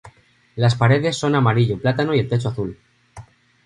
Las paredes son amarillo plátano y el techo azul.